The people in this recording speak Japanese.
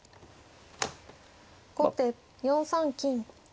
後手４三金。